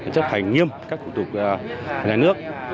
chấp hành nghiêm các cụ tục nhà nước